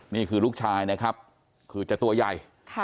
นี่คือลูกชายคือจะตัวใหญ่